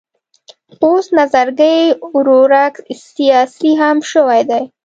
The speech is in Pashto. اوس نظرګی ورورک سیاسي هم شوی دی.